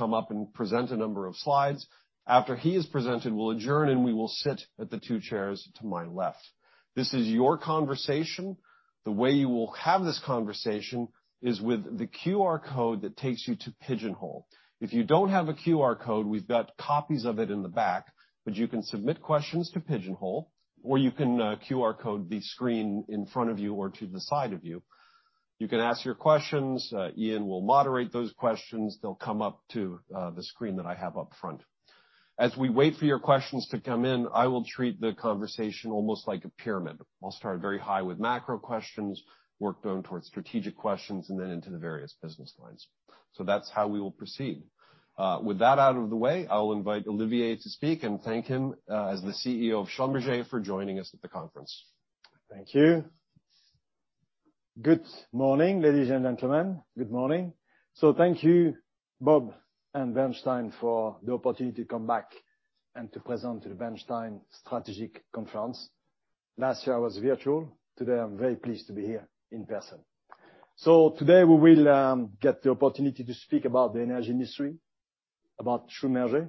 Come up and present a number of slides. After he has presented, we'll adjourn, and we will sit at the two chairs to my left. This is your conversation. The way you will have this conversation is with the QR code that takes you to Pigeonhole. If you don't have a QR code, we've got copies of it in the back, but you can submit questions to Pigeonhole, or you can QR code the screen in front of you or to the side of you. You can ask your questions. Ian will moderate those questions. They'll come up to the screen that I have up front. As we wait for your questions to come in, I will treat the conversation almost like a pyramid. I'll start very high with macro questions, work down towards strategic questions, and then into the various business lines. That's how we will proceed. With that out of the way, I will invite Olivier to speak and thank him, as the CEO of Schlumberger for joining us at the conference. Thank you. Good morning, ladies and gentlemen. Good morning. Thank you, Bob and Bernstein, for the opportunity to come back and to present to the Bernstein Strategic Conference. Last year I was virtual. Today, I'm very pleased to be here in person. Today we will get the opportunity to speak about the energy industry, about Schlumberger,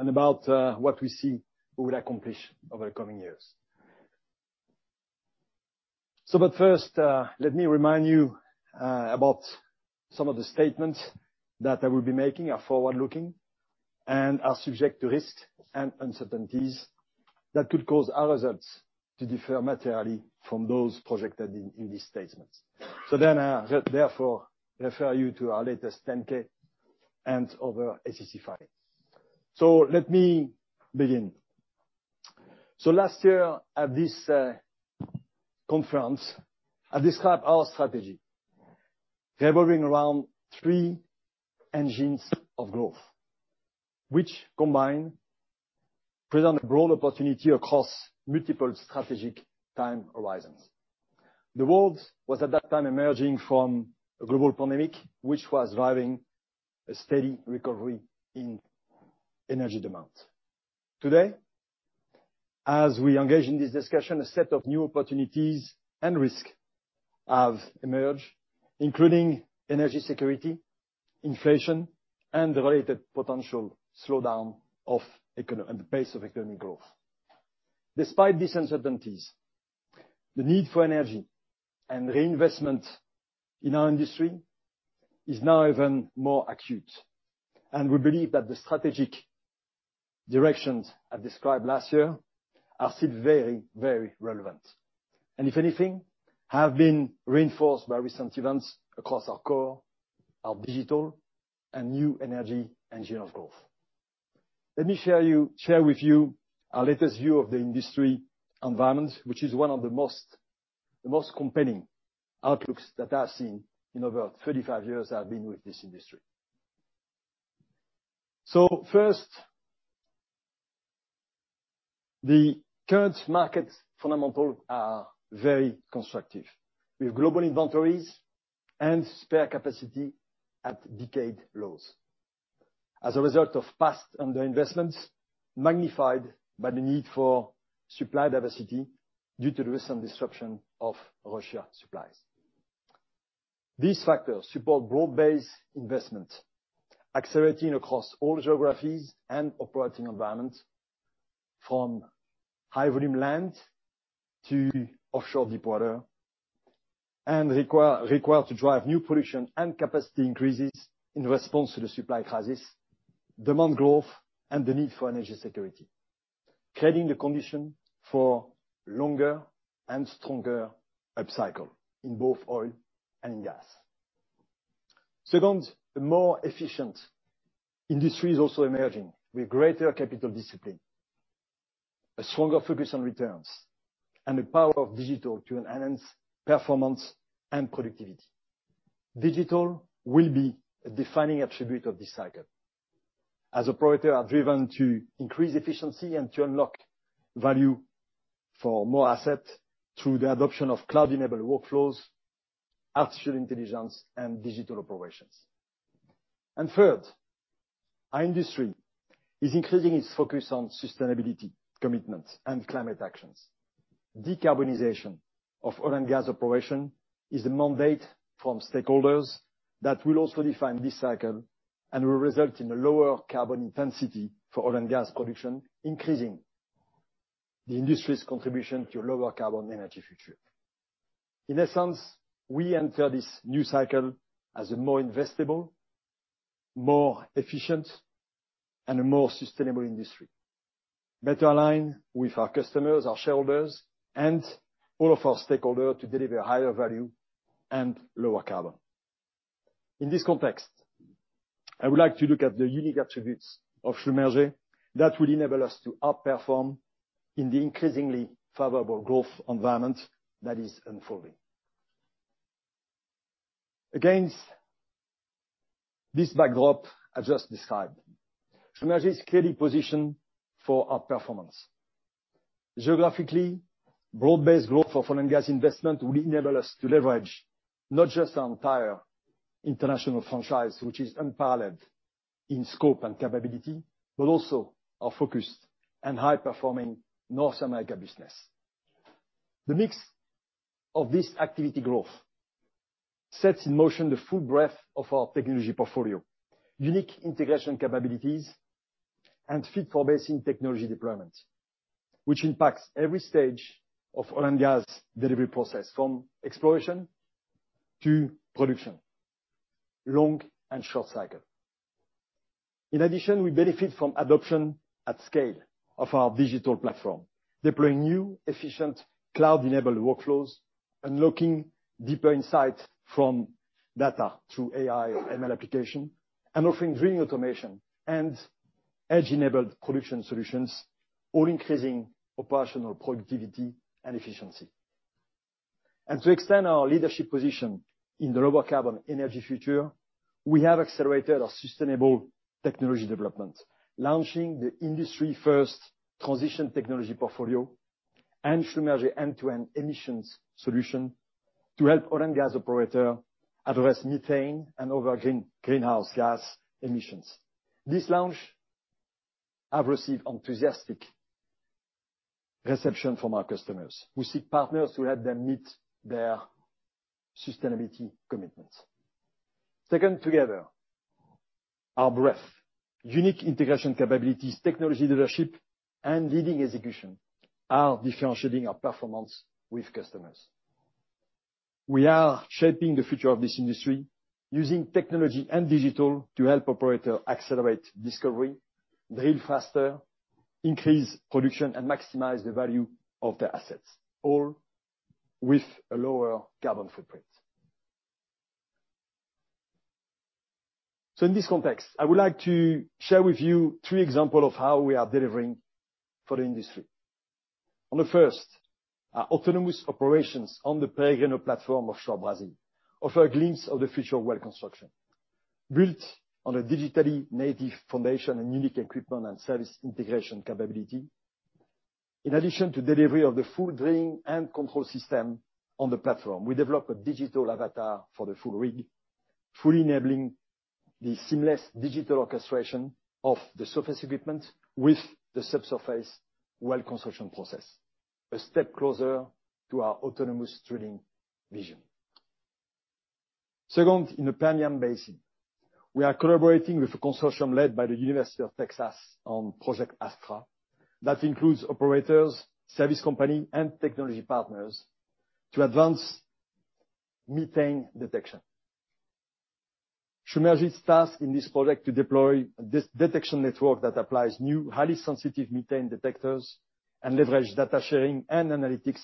and about what we see we will accomplish over the coming years. First, let me remind you about some of the statements that I will be making are forward-looking and are subject to risks and uncertainties that could cause our results to differ materially from those projected in these statements. I therefore refer you to our latest 10-K and other SEC filings. Let me begin. Last year at this conference, I described our strategy revolving around three engines of growth, which combined present broad opportunity across multiple strategic time horizons. The world was at that time emerging from a global pandemic, which was driving a steady recovery in energy demand. Today, as we engage in this discussion, a set of new opportunities and risk have emerged, including energy security, inflation, and the related potential slowdown of the pace of economic growth. Despite these uncertainties, the need for energy and reinvestment in our industry is now even more acute, and we believe that the strategic directions I described last year are still very, very relevant, and if anything, have been reinforced by recent events across our core, our digital and new energy engine of growth. Let me share with you our latest view of the industry environment, which is one of the most compelling outlooks that I have seen in over 35 years I've been with this industry. First, the current market fundamentals are very constructive with global inventories and spare capacity at decade lows as a result of past underinvestments magnified by the need for supply diversity due to the recent disruption of Russian supplies. These factors support broad-based investment, accelerating across all geographies and operating environments from high volume land to offshore deepwater and required to drive new production and capacity increases in response to the supply crisis, demand growth, and the need for energy security, creating the condition for longer and stronger upcycle in both oil and in gas. Second, a more efficient industry is also emerging with greater capital discipline, a stronger focus on returns, and the power of digital to enhance performance and productivity. Digital will be a defining attribute of this cycle as operators are driven to increase efficiency and to unlock value for more assets through the adoption of cloud-enabled workflows, artificial intelligence, and digital operations. Third, our industry is increasing its focus on sustainability commitments and climate actions. Decarbonization of oil and gas operation is a mandate from stakeholders that will also define this cycle and will result in a lower carbon intensity for oil and gas production, increasing the industry's contribution to a lower carbon energy future. In essence, we enter this new cycle as a more investable, more efficient, and a more sustainable industry, better aligned with our customers, our shareholders, and all of our stakeholders to deliver higher value and lower carbon. In this context, I would like to look at the unique attributes of Schlumberger that will enable us to outperform in the increasingly favorable growth environment that is unfolding. Against this backdrop I just described, Schlumberger is clearly positioned for outperformance. Geographically, broad-based growth of oil and gas investment will enable us to leverage not just our entire international franchise, which is unparalleled in scope and capability, but also our focused and high-performing North America business. The mix of this activity growth sets in motion the full breadth of our technology portfolio, unique integration capabilities, and fit-for-purpose technology deployment, which impacts every stage of oil and gas delivery process from exploration to production, long- and short-cycle. In addition, we benefit from adoption at scale of our digital platform, deploying new, efficient cloud-enabled workflows, unlocking deeper insights from data through AI or ML application, and offering drilling automation and edge-enabled production solutions, all increasing operational productivity and efficiency. To extend our leadership position in the lower carbon energy future, we have accelerated our sustainable technology development, launching the industry-first transition technology portfolio and Schlumberger end-to-end emissions solution to help oil and gas operator address methane and other greenhouse gas emissions. This launch have received enthusiastic reception from our customers who seek partners to help them meet their sustainability commitments. Second, together, our breadth, unique integration capabilities, technology leadership, and leading execution are differentiating our performance with customers. We are shaping the future of this industry using technology and digital to help operator accelerate discovery, drill faster, increase production, and maximize the value of their assets, all with a lower carbon footprint. In this context, I would like to share with you three example of how we are delivering for the industry. On the first, our autonomous operations on the Peregrino platform offshore Brazil offer a glimpse of the future well construction, built on a digitally native foundation and unique equipment and service integration capability. In addition to delivery of the full drilling and control system on the platform, we developed a digital avatar for the full rig, fully enabling the seamless digital orchestration of the surface equipment with the subsurface well construction process, a step closer to our autonomous drilling vision. Second, in the Permian Basin, we are collaborating with a consortium led by the University of Texas on Project Astra that includes operators, service company, and technology partners to advance methane detection. Schlumberger's task in this project to deploy this detection network that applies new, highly sensitive methane detectors and leverage data sharing and analytics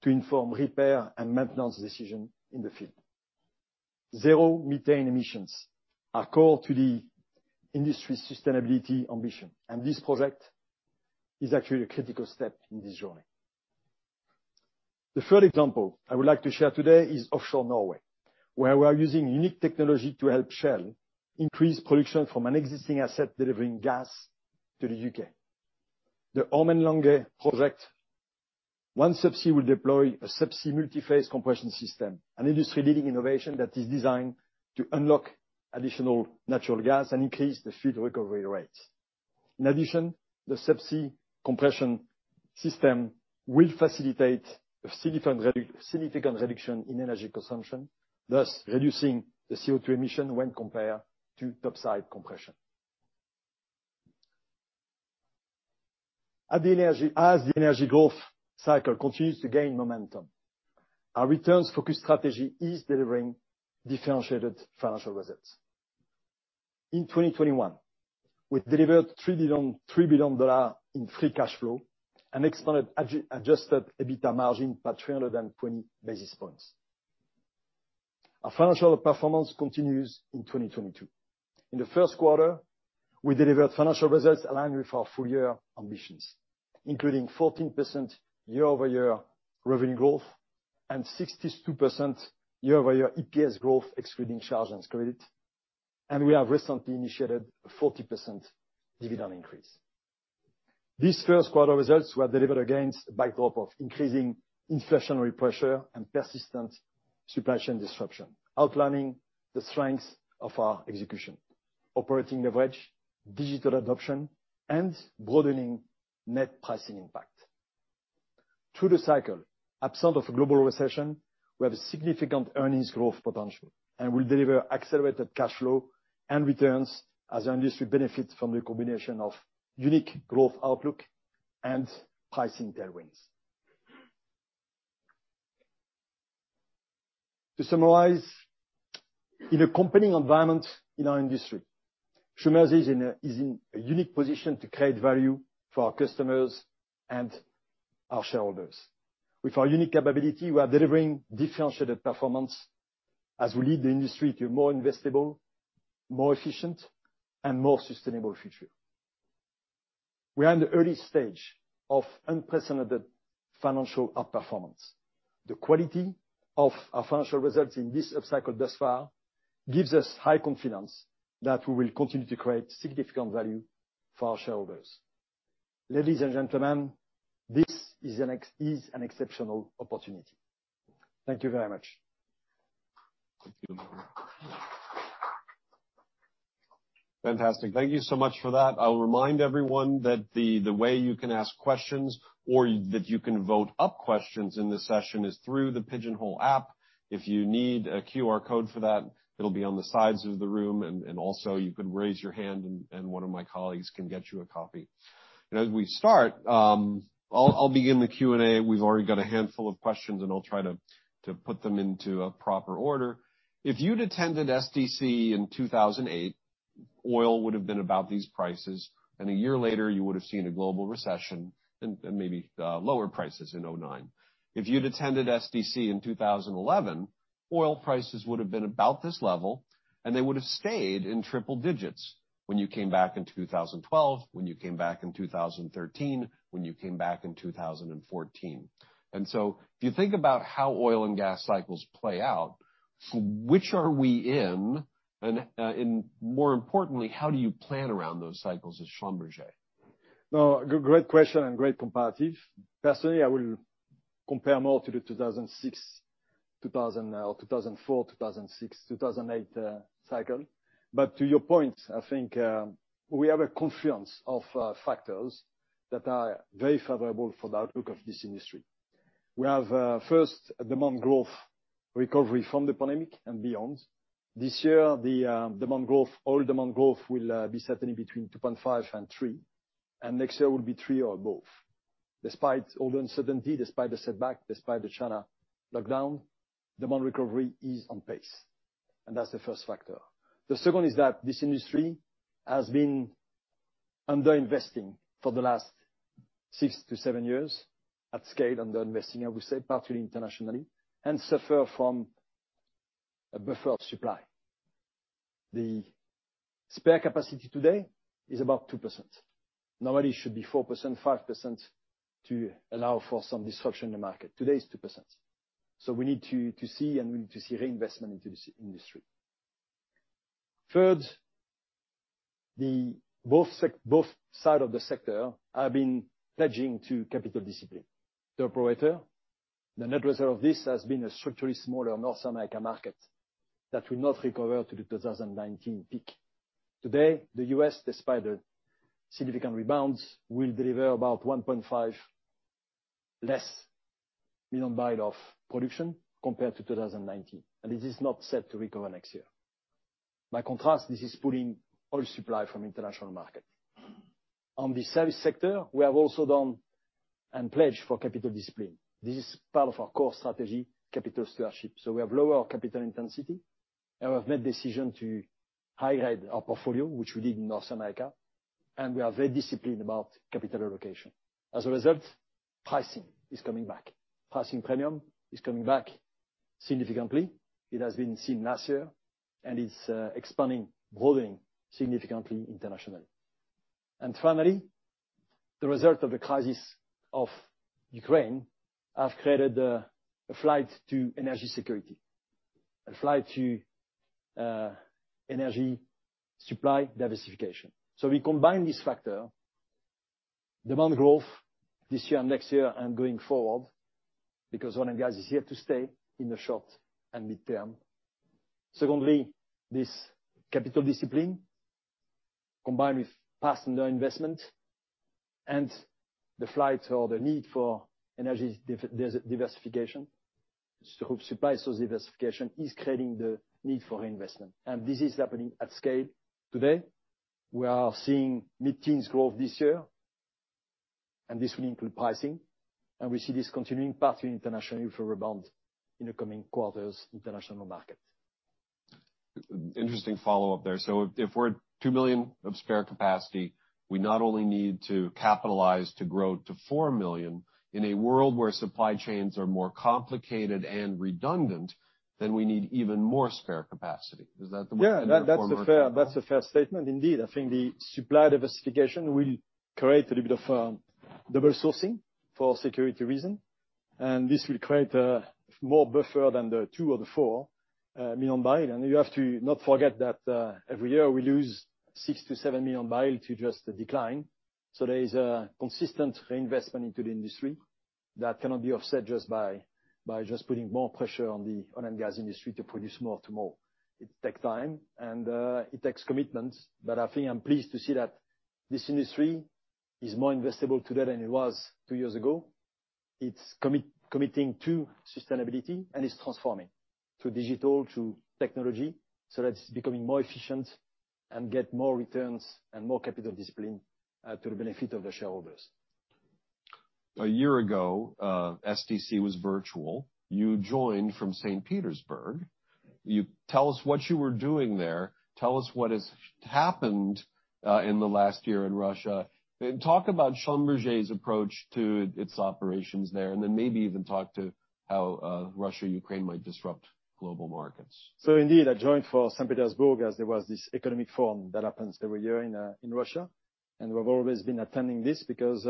to inform repair and maintenance decision in the field. Zero methane emissions are core to the industry sustainability ambition, and this project is actually a critical step in this journey. The third example I would like to share today is offshore Norway, where we are using unique technology to help Shell increase production from an existing asset delivering gas to the U.K.. The Ormen Lange project. OneSubsea will deploy a subsea multiphase compression system, an industry-leading innovation that is designed to unlock additional natural gas and increase the fluid recovery rates. In addition, the subsea compression system will facilitate a significant reduction in energy consumption, thus reducing the CO2 emission when compared to topside compression. As the energy growth cycle continues to gain momentum, our returns-focused strategy is delivering differentiated financial results. In 2021, we delivered $3 billion in free cash flow and expanded adjusted EBITDA margin by 320 basis points. Our financial performance continues in 2022. In the Q1, we delivered financial results aligned with our full-year ambitions, including 14% year-over-year revenue growth and 62% year-over-year EPS growth excluding charges and credits, and we have recently initiated a 40% dividend increase. These Q1 results were delivered against a backdrop of increasing inflationary pressure and persistent supply chain disruption, outlining the strengths of our execution, operating leverage, digital adoption, and broadening net pricing impact. Through the cycle, absent of a global recession, we have significant earnings growth potential, and we'll deliver accelerated cash flow and returns as the industry benefits from the combination of unique growth outlook and pricing tailwinds. To summarize, in a company environment in our industry, Schlumberger is in a unique position to create value for our customers and our shareholders. With our unique capability, we are delivering differentiated performance as we lead the industry to a more investable, more efficient, and more sustainable future. We are in the early stage of unprecedented financial outperformance. The quality of our financial results in this upcycle thus far gives us high confidence that we will continue to create significant value for our shareholders. Ladies and gentlemen, this is an exceptional opportunity. Thank you very much. Fantastic. Thank you so much for that. I'll remind everyone that the way you can ask questions or that you can vote up questions in this session is through the Pigeonhole app. If you need a QR code for that, it'll be on the sides of the room, and also you can raise your hand and one of my colleagues can get you a copy. As we start, I'll begin the Q&A. We've already got a handful of questions, and I'll try to put them into a proper order. If you'd attended SDC in 2008, oil would've been about these prices, and a year later, you would've seen a global recession and maybe lower prices in 2009. If you'd attended SDC in 2011, oil prices would've been about this level, and they would've stayed in triple digits when you came back in 2012, when you came back in 2013, when you came back in 2014. If you think about how oil and gas cycles play out, which are we in? More importantly, how do you plan around those cycles as Schlumberger? No, good, great question and great comparative. Personally, I will compare more to the 2004, 2006, 2008 cycle. To your point, I think we have a confluence of factors that are very favorable for the outlook of this industry. We have, first, demand growth recovery from the pandemic and beyond. This year, the demand growth, oil demand growth will be certainly between 2.5% and 3%, and next year will be 3% or above. Despite all the uncertainty, despite the setback, despite the China lockdown, demand recovery is on pace, and that's the first factor. The second is that this industry has been underinvesting for the last six to seven years, at scale underinvesting, I would say, partially internationally, and suffer from a buffer of supply. The spare capacity today is about 2%. Normally should be 4%/5% to allow for some disruption in the market. Today, it's 2%. We need to see reinvestment into this industry. Third, both sides of the sector have been pledging to capital discipline. The operators, the net result of this has been a structurally smaller North America market that will not recover to the 2019 peak. Today, the U.S., despite the significant rebounds, will deliver about 1.5 million barrels less of production compared to 2019, and this is not set to recover next year. By contrast, this is pulling oil supply from international markets. On the service sector, we have also done and pledged for capital discipline. This is part of our core strategy, capital stewardship. We have lowered our capital intensity, and we have made decision to high-grade our portfolio, which we did in North America, and we are very disciplined about capital allocation. As a result, pricing is coming back. Pricing premium is coming back significantly. It has been seen last year, and it's expanding, growing significantly internationally. Finally, the result of the crisis of Ukraine has created a flight to energy security, a flight to energy supply diversification. We combine this factor, demand growth this year, next year, and going forward, because oil and gas is here to stay in the short and midterm. Secondly, this capital discipline combined with past underinvestment and the flight or the need for energy diversification, so supply source diversification is creating the need for investment. This is happening at scale today. We are seeing mid-teens% growth this year, and this will include pricing, and we see this continuing, particularly internationally for rebound in the coming quarters international market. Interesting follow-up there. If we're at 2 million of spare capacity, we not only need to capitalize to grow to 4 million, in a world where supply chains are more complicated and redundant, then we need even more spare capacity. Is that the way to? Yeah. framework or workflow that one? That's a fair statement indeed. I think the supply diversification will create a little bit of double sourcing for security reasons, and this will create more of a buffer than the 2 million barrels or 4 million barrels. You have to not forget that every year we lose six to seven million barrels to just the decline, so there is a consistent reinvestment into the industry that cannot be offset just by just putting more pressure on the oil and gas industry to produce more, too. It takes time, it takes commitments, but I think I'm pleased to see that this industry is more investable today than it was two years ago. It's committing to sustainability, and it's transforming to digital, to technology, so that it's becoming more efficient and get more returns and more capital discipline, to the benefit of the shareholders. A year ago, SDC was virtual. You joined from St. Petersburg. Tell us what you were doing there. Tell us what has happened in the last year in Russia, and talk about Schlumberger's approach to its operations there, and then maybe even talk to how Russia-Ukraine might disrupt global markets. Indeed, I went to St. Petersburg as there was this economic forum that happens every year in Russia. We've always been attending this because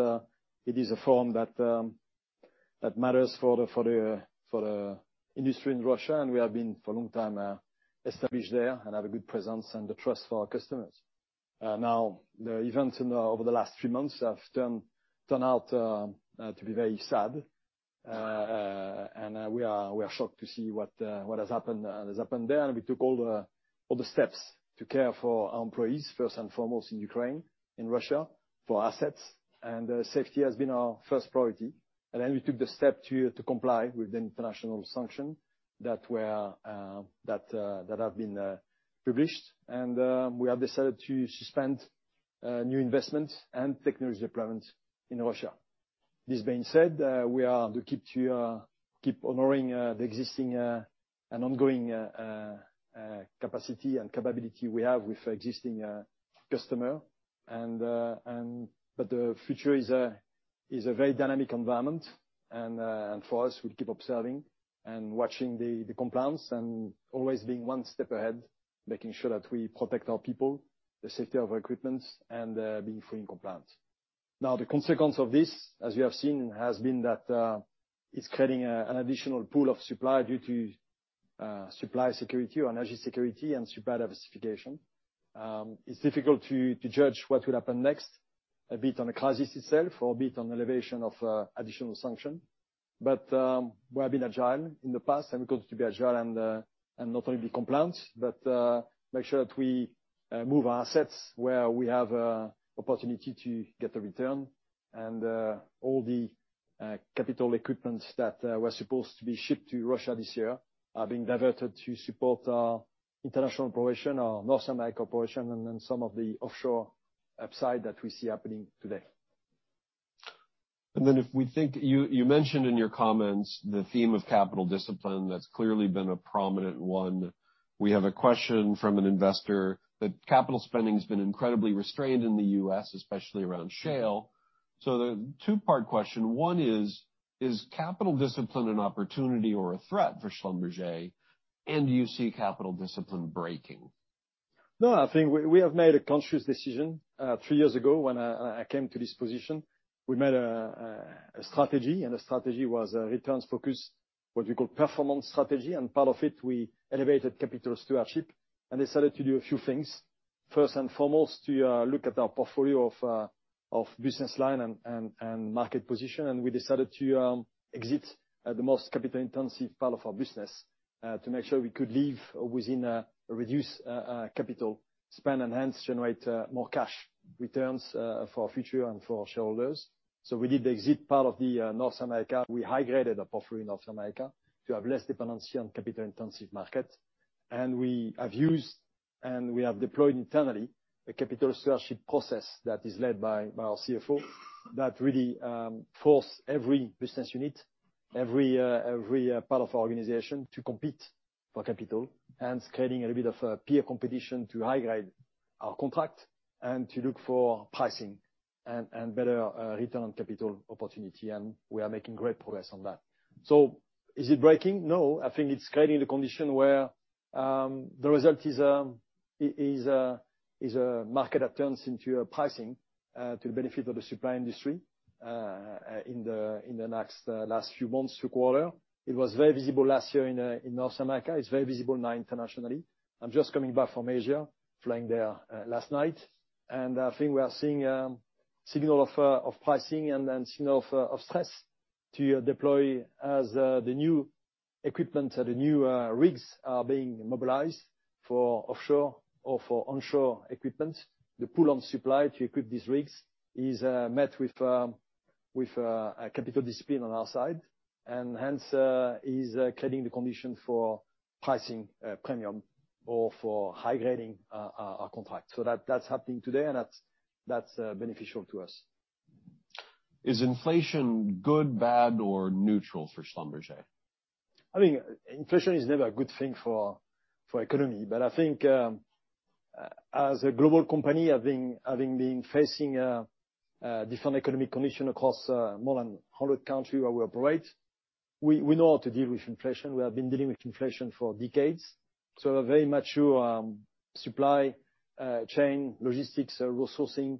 it is a forum that matters for the industry in Russia, and we have been for a long time established there and have a good presence and the trust of our customers. Now the events over the last three months have turned out to be very sad. We are shocked to see what has happened there. We took all the steps to care for our employees, first and foremost in Ukraine, in Russia, for our assets. Safety has been our first priority. We took the step to comply with the international sanctions that have been published. We have decided to suspend new investments and technology deployment in Russia. This being said, we keep honoring the existing and ongoing capacity and capability we have with existing customer. The future is a very dynamic environment and for us, we keep observing and watching the compliance and always being one step ahead, making sure that we protect our people, the safety of our equipment, and being fully compliant. Now, the consequence of this, as you have seen, has been that it's creating an additional pool of supply due to supply security or energy security and supply diversification. It's difficult to judge what will happen next, a bit on the crisis itself or a bit on the elevation of additional sanction. We have been agile in the past, and we continue to be agile and not only be compliant, but make sure that we move our assets where we have a opportunity to get a return. All the capital equipments that were supposed to be shipped to Russia this year are being diverted to support our international operation, our North America operation, and then some of the offshore upside that we see happening today. If we think, you mentioned in your comments the theme of capital discipline. That's clearly been a prominent one. We have a question from an investor that capital spending has been incredibly restrained in the U.S., especially around shale. The two-part question. One is capital discipline an opportunity or a threat for Schlumberger? Do you see capital discipline breaking? No, I think we have made a conscious decision three years ago when I came to this position. We made a strategy, and the strategy was a returns focus, what we call performance strategy. Part of it, we elevated capital stewardship and decided to do a few things. First and foremost, to look at our portfolio of business line and market position. We decided to exit the most capital-intensive part of our business to make sure we could live within a reduced capital spend and hence generate more cash returns for our future and for our shareholders. We did the exit part of North America. We high-graded our portfolio in North America to have less dependency on capital-intensive market. We have used and we have deployed internally a capital stewardship process that is led by our CFO that really force every business unit, every part of our organization to compete for capital and creating a bit of a peer competition to high-grade our contract and to look for pricing and better return on capital opportunity, and we are making great progress on that. Is it breaking? No, I think it's creating the condition where the result is a market that turns into pricing to the benefit of the supply industry in the last few months, few quarter. It was very visible last year in North America. It's very visible now internationally. I'm just coming back from Asia, flying there last night. I think we are seeing signal of pricing and then signal of stress to deploy as the new equipment or the new rigs are being mobilized for offshore or for onshore equipment. The pull on supply to equip these rigs is met with a capital discipline on our side and hence is creating the condition for pricing premium or for high-grading our contract. That's happening today, and that's beneficial to us. Is inflation good, bad, or neutral for Schlumberger? I think inflation is never a good thing for the economy. I think, as a global company, having been facing different economic conditions across more than 100 countries where we operate, we know how to deal with inflation. We have been dealing with inflation for decades. A very mature supply chain logistics resourcing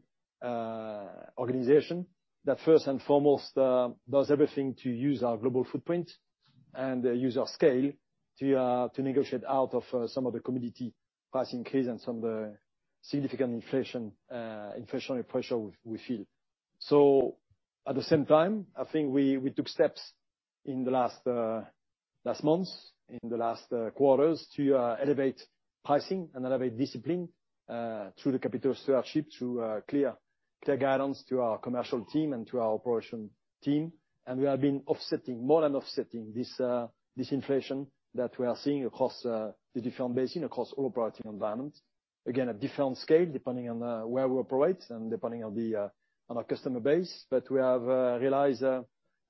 organization that first and foremost does everything to use our global footprint and use our scale to negotiate out of some of the commodity pricing increases and some of the significant inflationary pressure we feel. At the same time, I think we took steps in the last quarters to elevate pricing and elevate discipline through the capital stewardship, through clear guidance to our commercial team and to our operation team. We have been offsetting, more than offsetting this inflation that we are seeing across the different basin, across all operating environment. Again, a different scale depending on where we operate and depending on our customer base. We have realized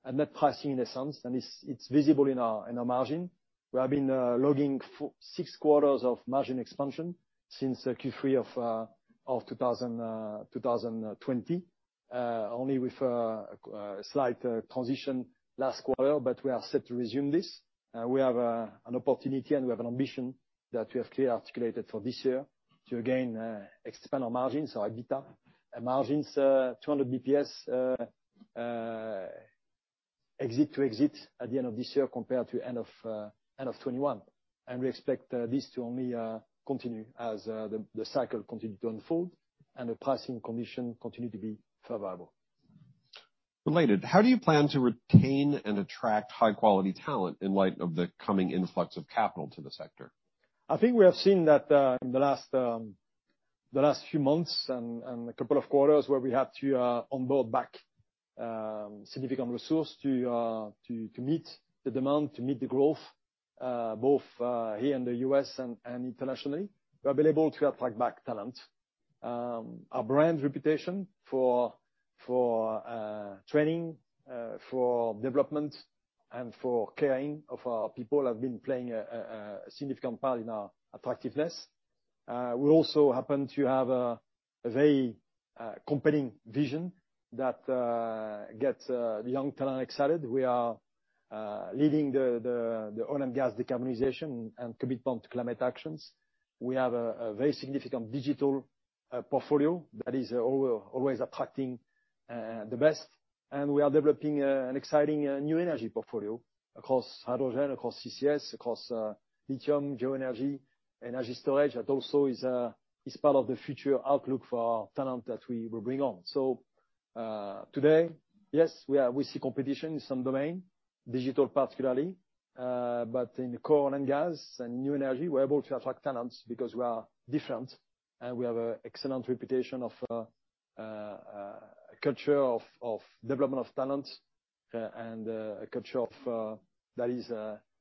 a net pricing in a sense, and it's visible in our margin. We have been logging six quarters of margin expansion since Q3 of 2020, only with a slight transition last quarter, but we are set to resume this. We have an opportunity, and we have an ambition that we have clearly articulated for this year to again expand our margins or EBITDA margins 200 basis points exit to exit at the end of this year compared to end of 2021. We expect this to only continue as the cycle continue to unfold and the pricing conditions continue to be favorable. Related, how do you plan to retain and attract high quality talent in light of the coming influx of capital to the sector? I think we have seen that in the last few months and a couple of quarters where we have to onboard back significant resource to meet the demand, to meet the growth both here in the U.S. and internationally. We have been able to attract back talent. Our brand reputation for training for development and for caring of our people have been playing a significant part in our attractiveness. We also happen to have a very compelling vision that gets young talent excited. We are leading the oil and gas decarbonization and commitment to climate actions. We have a very significant digital portfolio that is always attracting the best. We are developing an exciting new energy portfolio across hydrogen, across CCS, across lithium, geoenergy, energy storage. That also is part of the future outlook for talent that we will bring on. Today, yes, we see competition in some domain, digital particularly. But in the core oil and gas and new energy, we're able to attract talents because we are different, and we have a excellent reputation of a culture of development of talent, and a culture that is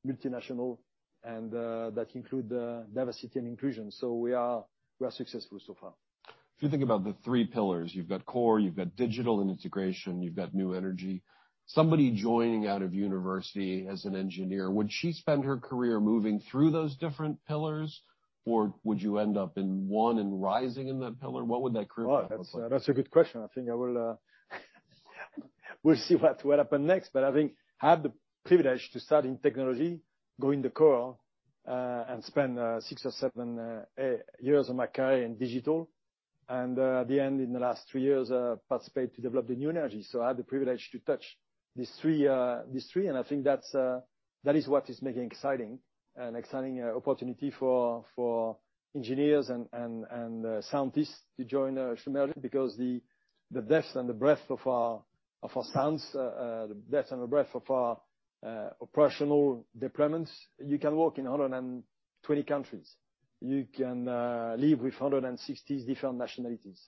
multinational and that include diversity and inclusion. We are successful so far. If you think about the three pillars, you've got core, you've got digital and integration, you've got new energy. Somebody joining out of university as an engineer, would she spend her career moving through those different pillars? Or would you end up in one and rising in that pillar? What would that career path look like? Well, that's a good question. I think we'll see what will happen next. I think I had the privilege to start in technology, go into core, and spend six or seven or eight years of my career in digital. At the end, in the last three years, participate to develop the new energy. I had the privilege to touch these three, and I think that is what is making an exciting opportunity for engineers and scientists to join Schlumberger because the depth and the breadth of our science, the depth and the breadth of our operational deployments. You can work in 120 countries. You can live with 160 different nationalities.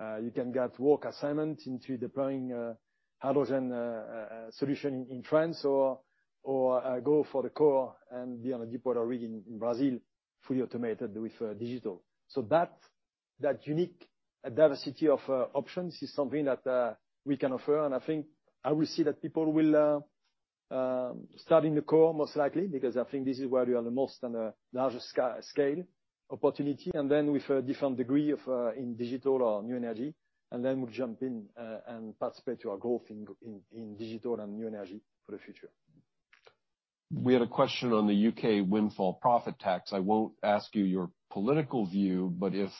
You can get work assignment into deploying hydrogen solution in France or go for the core and be on a deepwater rig in Brazil, fully automated with digital. That unique diversity of options is something that we can offer. I think we'll see that people will start in the core, most likely, because I think this is where we are the most and the largest scale opportunity. With a different degree of interest in digital or new energy, and then will jump in and participate in our growth in digital and new energy for the future. We had a question on the U.K. windfall profit tax. I won't ask you your political view, but if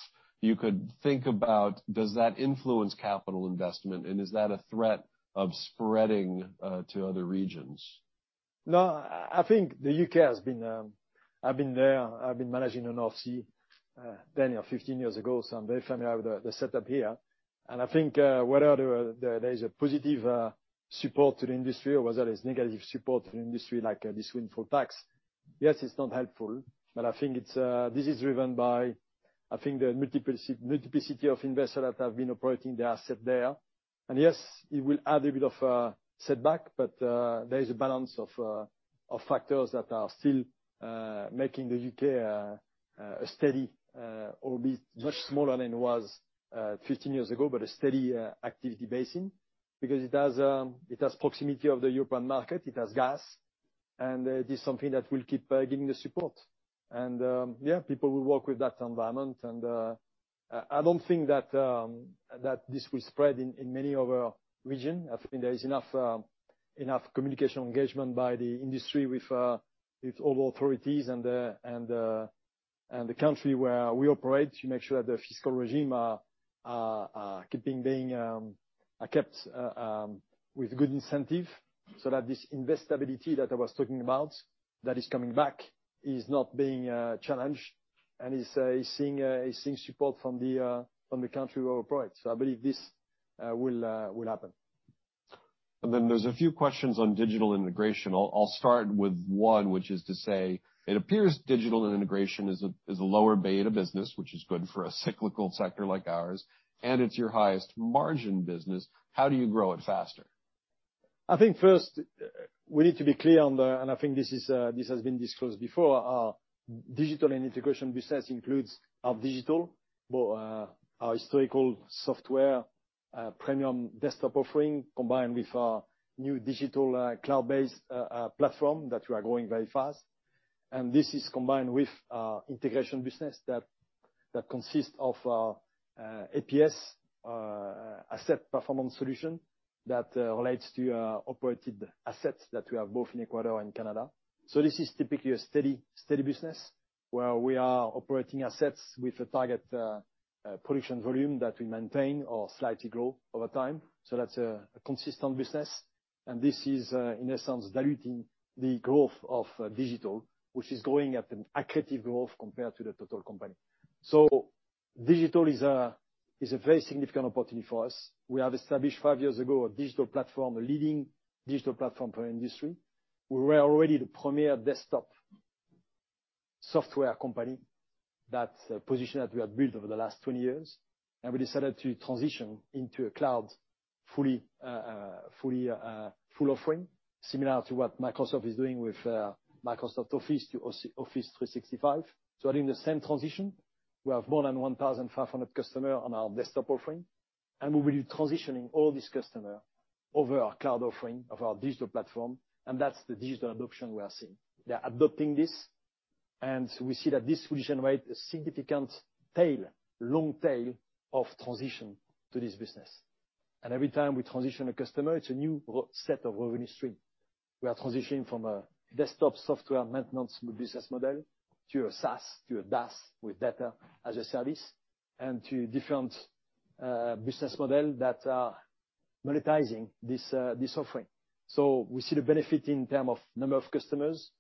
you could think about, does that influence capital investment, and is that a threat of spreading to other regions? No, I think the U.K. has been, I've been there. I've been managing in North Sea 10 or 15 years ago, so I'm very familiar with the setup here. I think whether there is a positive support to the industry or whether it's negative support to the industry like this windfall tax, yes, it's not helpful, but I think it's this is driven by, I think, the multiplicity of investors that have been operating the asset there. Yes, it will add a bit of setback, but there is a balance of factors that are still making the U.K. a steady, albeit much smaller than it was 15 years ago, but a steady activity basin because it has proximity of the European market, it has gas, and it is something that will keep giving the support. Yeah, people will work with that environment. I don't think that this will spread in many other region. I think there is enough communication engagement by the industry with all the authorities and the country where we operate to make sure that the fiscal regime are kept with good incentive so that this investability that I was talking about that is coming back is not being challenged and is seeing support from the country we operate. I believe this will happen. There's a few questions on digital integration. I'll start with one, which is to say it appears digital and integration is a lower beta business, which is good for a cyclical sector like ours, and it's your highest margin business. How do you grow it faster? I think first we need to be clear on this, which has been discussed before. Our digital and integration business includes our digital but our historical software premium desktop offering combined with our new digital cloud-based platform that we are growing very fast. This is combined with our integration business that consists of APS Asset Performance Solutions that relates to operated assets that we have both in Ecuador and Canada. This is typically a steady business where we are operating assets with a target production volume that we maintain or slightly grow over time. That's a consistent business. This is in essence diluting the growth of digital, which is growing at an aggressive growth compared to the total company. Digital is a very significant opportunity for us. We have established five years ago a digital platform, a leading digital platform for industry. We were already the premier desktop software company. That's a position that we have built over the last 20 years, and we decided to transition into a cloud fully, full offering, similar to what Microsoft is doing with Microsoft Office to Office 365. During the same transition, we have more than 1,500 customers on our desktop offering, and we'll be transitioning all this customer over our cloud offering of our digital platform, and that's the digital adoption we are seeing. They are adopting this, and we see that this will generate a significant tail, long tail of transition to this business. Every time we transition a customer, it's a new set of revenue stream. We are transitioning from a desktop software maintenance business model to a SaaS to a DaaS with data as a service and to different business models that are monetizing this offering. We see the benefit in terms of number of customers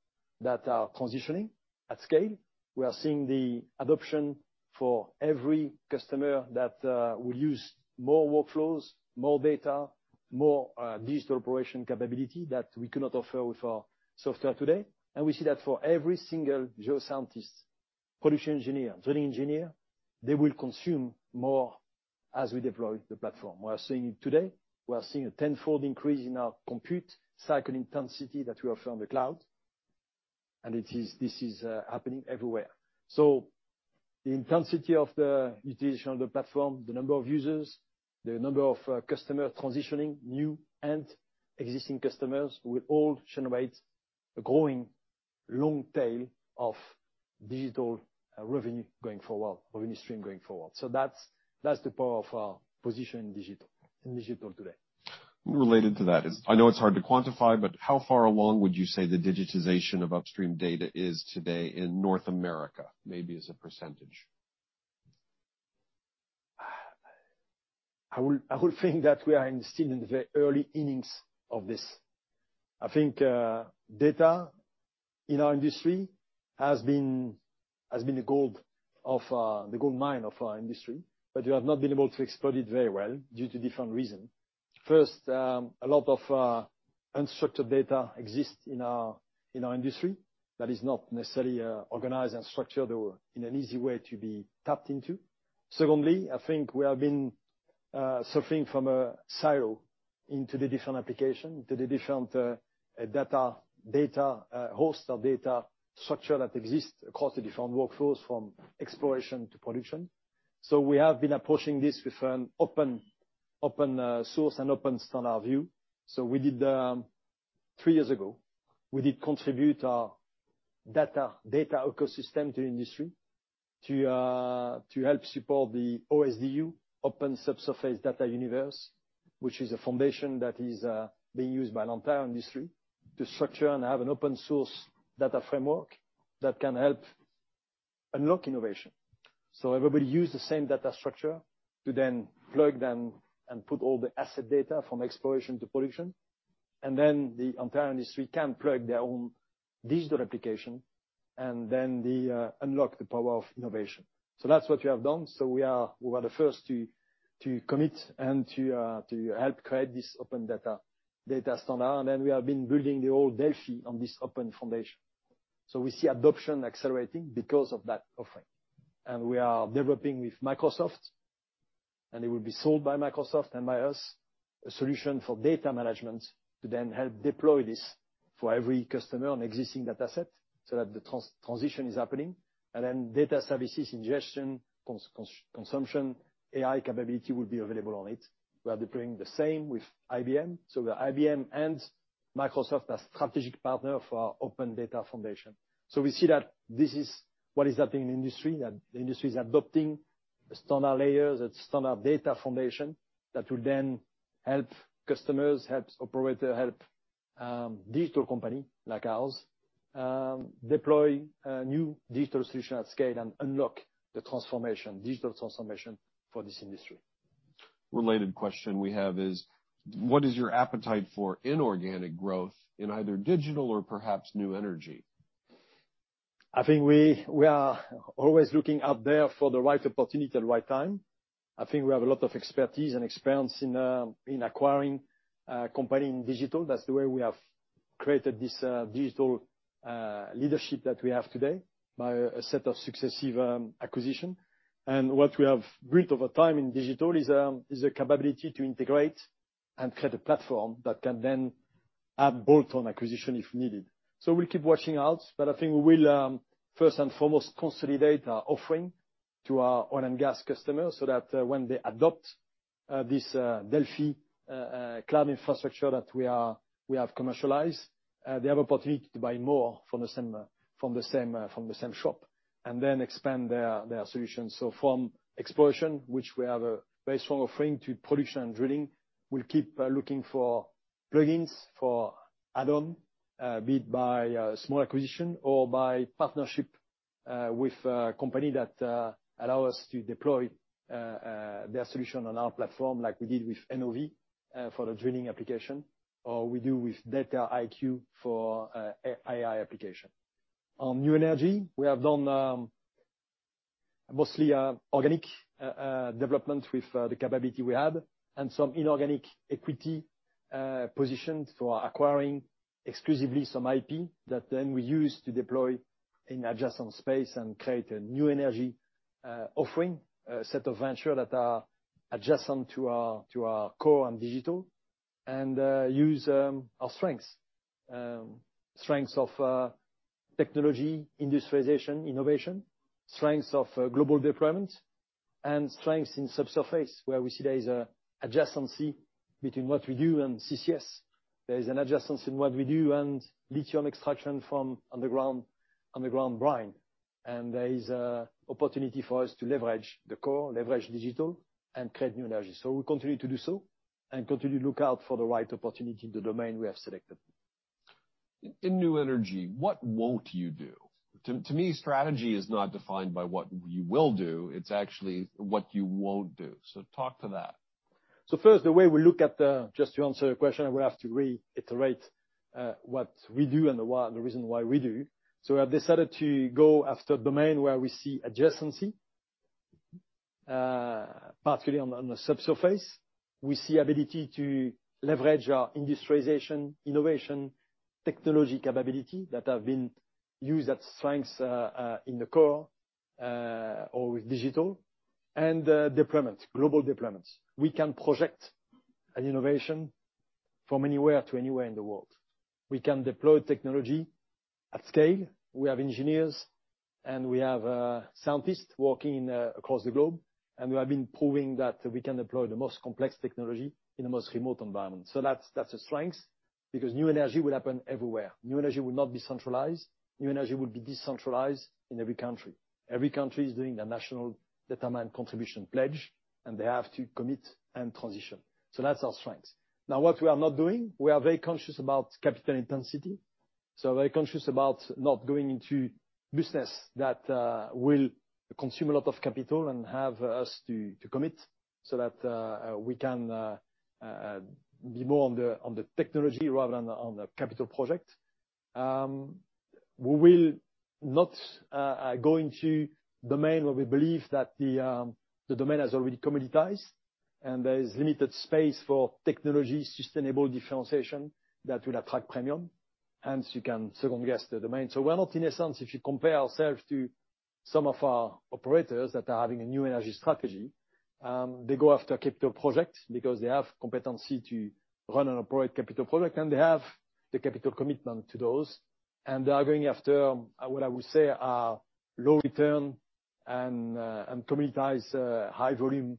that are transitioning at scale. We are seeing the adoption for every customer that will use more workflows, more data, more digital operation capability that we cannot offer with our software today. We see that for every single geoscientist, production engineer, drilling engineer, they will consume more as we deploy the platform. We are seeing it today. We are seeing a tenfold increase in our compute cycle intensity that we offer on the cloud, and this is happening everywhere. The intensity of the utilization of the platform, the number of users, the number of customers transitioning, new and existing customers, will all generate a growing long tail of digital revenue stream going forward. That's the power of our position in digital today. Related to that is, I know it's hard to quantify, but how far along would you say the digitization of upstream data is today in North America, maybe as a percentage? I would think that we are still in the very early innings of this. I think data in our industry has been the goldmine of our industry, but we have not been able to explore it very well due to different reason. First, a lot of unstructured data exists in our industry that is not necessarily organized and structured or in an easy way to be tapped into. Secondly, I think we have been suffering from a silo into the different application to the different data host or data structure that exists across the different workflows from exploration to production. We have been approaching this with an open source and open standard view. We did three years ago, we did contribute our data ecosystem to industry to help support the OSDU, Open Subsurface Data Universe, which is a foundation that is being used by entire industry to structure and have an open source data framework that can help unlock innovation. Everybody use the same data structure to then plug them and put all the asset data from exploration to production. Then the entire industry can plug their own digital application and then unlock the power of innovation. That's what we have done. We are the first to commit and to help create this open data standard. We have been building our Delfi on this open foundation. We see adoption accelerating because of that offering. We are developing with Microsoft, and it will be sold by Microsoft and by us, a solution for data management to then help deploy this for every customer on existing data set so that the transition is happening. Data services ingestion, consumption, AI capability will be available on it. We are deploying the same with IBM. IBM and Microsoft are strategic partner for our open data foundation. We see that this is what is happening in industry, that the industry is adopting a standard layers, a standard data foundation that will then help customers, help operator, help digital company like ours, deploy new digital solution at scale and unlock the transformation, digital transformation for this industry. Related question we have is what is your appetite for inorganic growth in either digital or perhaps new energy? I think we are always looking out there for the right opportunity at the right time. I think we have a lot of expertise and experience in acquiring companies in digital. That's the way we have created this digital leadership that we have today by a set of successive acquisitions. What we have built over time in digital is a capability to integrate and create a platform that can then add bolt-on acquisitions if needed. We'll keep watching out, but I think we will first and foremost consolidate our offering to our oil and gas customers so that when they adopt this Delfi cloud infrastructure that we have commercialized, they have opportunity to buy more from the same shop, and then expand their solutions. From exploration, which we have a very strong offering, to production and drilling, we'll keep looking for plugins, for add-on, be it by small acquisition or by partnership with a company that allow us to deploy their solution on our platform, like we did with NOV for the drilling application, or we do with Dataiku for AI application. On new energy, we have done mostly organic development with the capability we have and some inorganic equity positions for acquiring exclusively some IP that then we use to deploy in adjacent space and create a new energy offering, a set of ventures that are adjacent to our core and digital and use our strengths of technology, industrialization, innovation, strengths of global deployment and strengths in subsurface, where we see there is an adjacency between what we do and CCS. There is an adjacency in what we do and lithium extraction from underground brine. There is an opportunity for us to leverage the core, leverage digital, and create new energy. We continue to do so and continue to look out for the right opportunity in the domain we have selected. In new energy, what won't you do? To me, strategy is not defined by what you will do, it's actually what you won't do. Talk to that. Just to answer your question, I will have to reiterate what we do and the why, the reason why we do. We have decided to go after domain where we see adjacency, particularly on the subsurface. We see ability to leverage our industrialization, innovation, technology capability that have been used as strengths in the core or with digital and deployments, global deployments. We can project an innovation from anywhere to anywhere in the world. We can deploy technology at scale. We have engineers, and we have scientists working across the globe. We have been proving that we can deploy the most complex technology in the most remote environment. That's a strength because new energy will happen everywhere. New energy will not be centralized. New energy will be decentralized in every country. Every country is doing their nationally determined contribution pledge, and they have to commit and transition. That's our strength. Now, what we are not doing, we are very conscious about capital intensity, so very conscious about not going into business that will consume a lot of capital and have us commit so that we can be more on the technology rather than on the capital project. We will not go into domain where we believe that the domain has already commoditized, and there is limited space for technology sustainable differentiation that will attract premium, and you can second-guess the domain. We're not, in a sense, if you compare ourselves to some of our operators that are having a new energy strategy, they go after capital projects because they have competency to run and operate capital project, and they have the capital commitment to those. They are going after what I would say are low return and commoditized high volume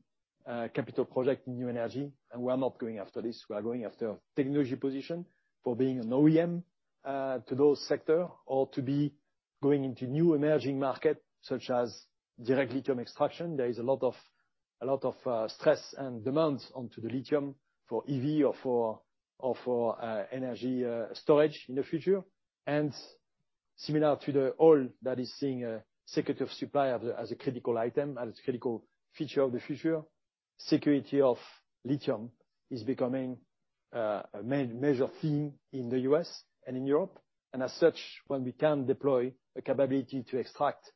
capital project in new energy, and we are not going after this. We are going after technology position for being an OEM to those sector or to be going into new emerging market, such as direct lithium extraction. There is a lot of stress and demands onto the lithium for EV or for energy storage in the future. Similar to the oil that is seeing a security of supply as a critical item, as a critical feature of the future, security of lithium is becoming a major emerging theme in the U.S. and in Europe. As such, when we can deploy a capability to extract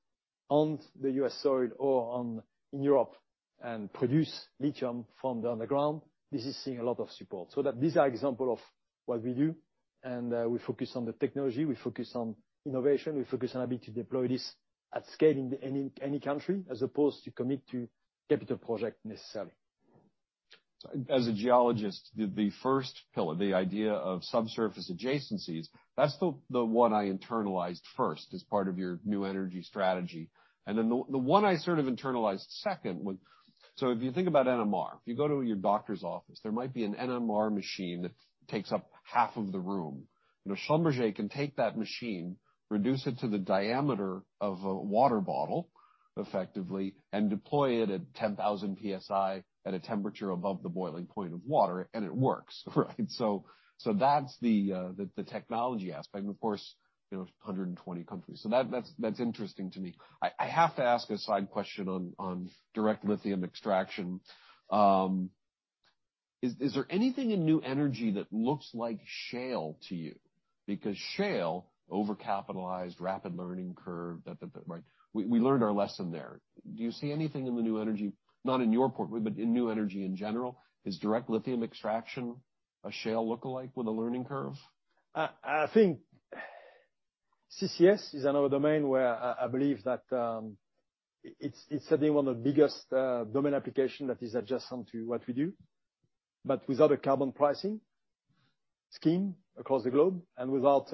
on the U.S. soil or in Europe and produce lithium from the underground, this is seeing a lot of support. These are examples of what we do, and we focus on the technology, we focus on innovation, we focus on ability to deploy this at scale in any country as opposed to commit to capital project necessarily. As a geologist, the first pillar, the idea of subsurface adjacencies, that's the one I internalized first as part of your new energy strategy. Then the one I sort of internalized second. If you think about NMR, if you go to your doctor's office, there might be an NMR machine that takes up half of the room. You know, Schlumberger can take that machine, reduce it to the diameter of a water bottle effectively, and deploy it at 10,000 PSI at a temperature above the boiling point of water, and it works, right? That's the technology aspect. Of course, you know, 120 countries. That's interesting to me. I have to ask a side question on direct lithium extraction. Is there anything in new energy that looks like shale to you? Because shale overcapitalized, rapid learning curve, right? We learned our lesson there. Do you see anything in the new energy, not in your portfolio, but in new energy in general? Is direct lithium extraction a shale lookalike with a learning curve? I think CCS is another domain where I believe that it's certainly one of the biggest domain application that is adjacent to what we do. Without a carbon pricing scheme across the globe and without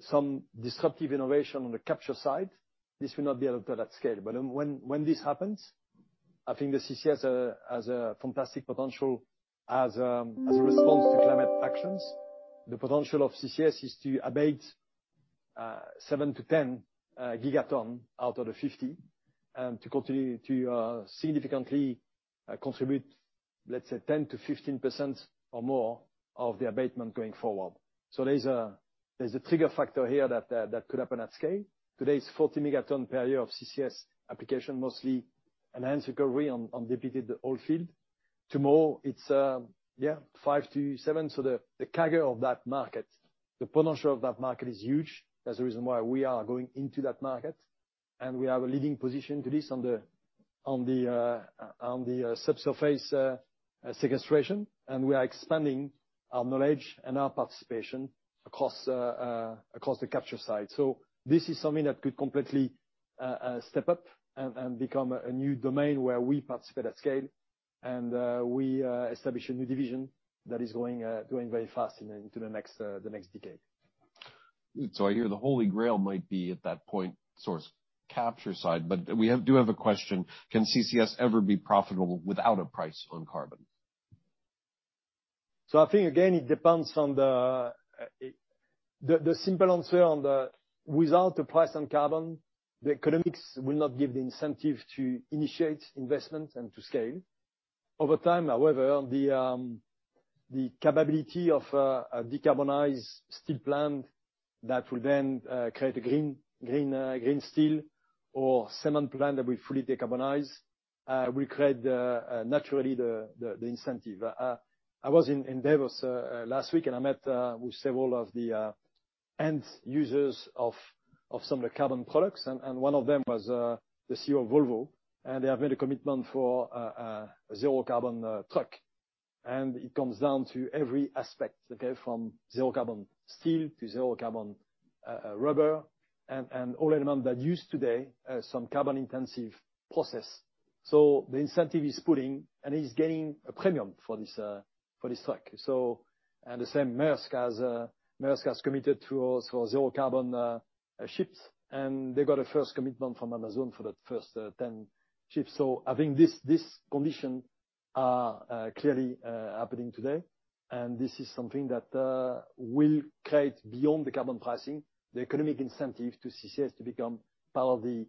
some disruptive innovation on the capture side, this will not be able to at scale. When this happens, I think the CCS has a fantastic potential as a response to climate actions. The potential of CCS is to abate 7-10 gigaton out of the 50 gigaton to continue to significantly contribute. Let's say 10%-15% or more of the abatement going forward. There's a trigger factor here that could happen at scale. Today's 40 megaton per year of CCS application, mostly enhanced recovery on depleted oil field. Tomorrow, it's 5%-7%. The CAGR of that market, the potential of that market is huge. That's the reason why we are going into that market, and we have a leading position in this on the subsurface sequestration. We are expanding our knowledge and our participation across the capture side. This is something that could completely step up and become a new domain where we participate at scale. We establish a new division that is growing very fast into the next decade. I hear the Holy Grail might be at that point source capture side, but we have a question. Can CCS ever be profitable without a price on carbon? I think again, it depends on the simple answer on the without the price on carbon, the economics will not give the incentive to initiate investment and to scale. Over time, however, the capability of a decarbonized steel plant that will then create a green steel or cement plant that will fully decarbonize will create naturally the incentive. I was in Davos last week, and I met with several of the end users of some of the carbon products. One of them was the CEO of Volvo, and they have made a commitment for a zero carbon truck. It comes down to every aspect, okay, from zero carbon steel to zero carbon rubber and all elements that use today some carbon-intensive process. The incentive is pulling, and he's getting a premium for this truck. The same Maersk has committed to also zero carbon ships. They got a first commitment from Amazon for that first 10 ships. I think these conditions are clearly happening today. This is something that will create beyond the carbon pricing, the economic incentive to CCS to become part of the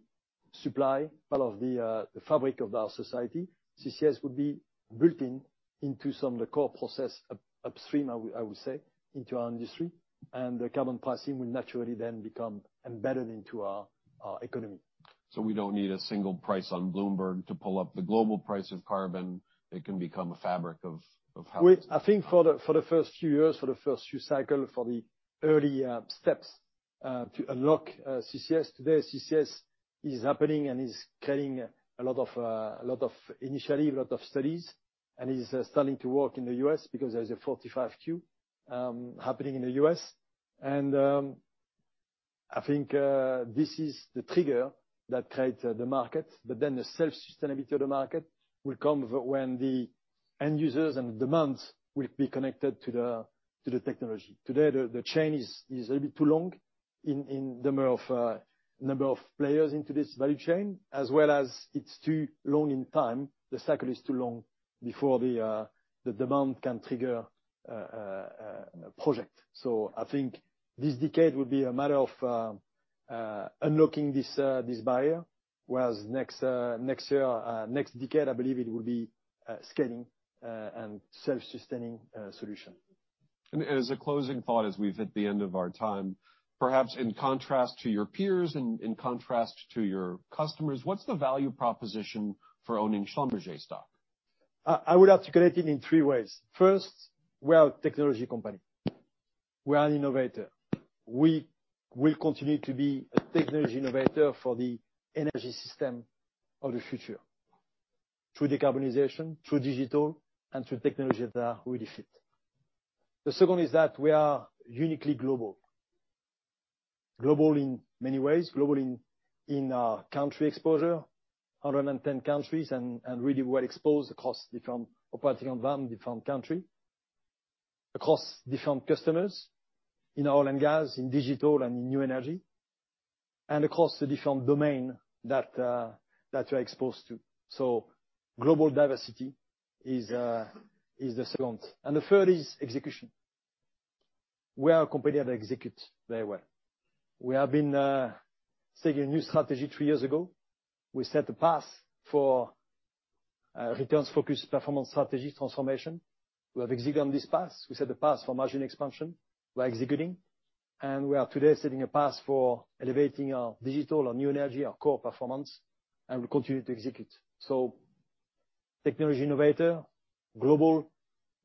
supply, part of the fabric of our society. CCS will be built into some of the core processes upstream, I would say, into our industry. The carbon pricing will naturally then become embedded into our economy. We don't need a single price on Bloomberg to pull up the global price of carbon. It can become a fabric of how it's done. I think for the first few years, for the first few cycles, for the early steps to unlock CCS. Today, CCS is happening and is carrying a lot of initial studies and is starting to work in the U.S. because there's a 45Q happening in the U.S. I think this is the trigger that creates the market. The self-sustainability of the market will come when the end users and the demands will be connected to the technology. Today, the chain is a bit too long in number of players in this value chain, as well as it's too long in time. The cycle is too long before the demand can trigger a project. I think this decade will be a matter of unlocking this barrier, whereas next decade, I believe it will be scaling and self-sustaining solution. As a closing thought, as we've hit the end of our time, perhaps in contrast to your peers and in contrast to your customers, what's the value proposition for owning Schlumberger stock? I would articulate it in three ways. First, we are a technology company. We are an innovator. We will continue to be a technology innovator for the energy system of the future, through decarbonization, through digital, and through technology that really fit. The second is that we are uniquely global. Global in many ways, global in our country exposure, 110 countries and really well exposed across different operating environment, different country. Across different customers in oil and gas, in digital, and in new energy. Across the different domain that we're exposed to. Global diversity is the second. The third is execution. We are a company that execute very well. We have been setting a new strategy three years ago. We set the path for returns-focused performance strategy transformation. We have executed on this path. We set the path for margin expansion. We're executing. We are today setting a path for elevating our digital, our new energy, our core performance, and we continue to execute. Technology innovator, global,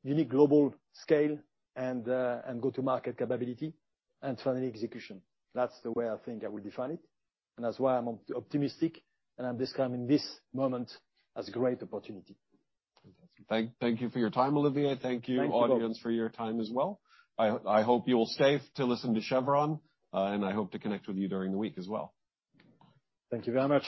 unique global scale, and go-to-market capability and finally execution. That's the way I think I would define it, and that's why I'm optimistic, and I'm describing this moment as a great opportunity. Fantastic. Thank you for your time, Olivier. Thank you. Thank you, audience, for your time as well. I hope you're all safe to listen to Chevron, and I hope to connect with you during the week as well. Thank you very much.